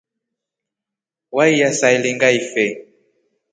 Waiya saailinga ife.